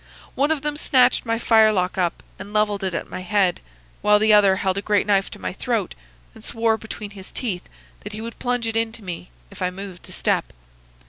One of them snatched my firelock up and levelled it at my head, while the other held a great knife to my throat and swore between his teeth that he would plunge it into me if I moved a step.